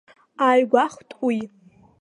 Ааигәахәт уи.